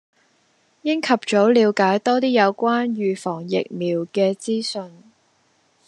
應及早暸解多啲有關預防疫苗嘅資訊